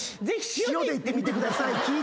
塩でいってみてください。